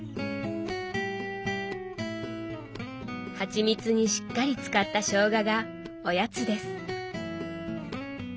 はちみつにしっかりつかったしょうががおやつです。